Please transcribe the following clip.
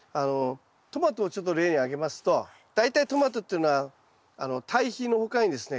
トマトをちょっと例に挙げますと大体トマトっていうのは堆肥の他にですね